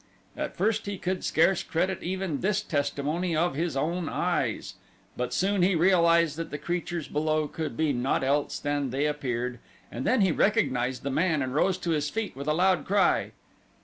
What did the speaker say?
At first he could scarce credit even this testimony of his own eyes, but soon he realized that the creatures below could be naught else than they appeared, and then he recognized the man and rose to his feet with a loud cry.